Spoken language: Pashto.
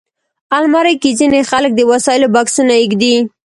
الماري کې ځینې خلک د وسایلو بکسونه ایږدي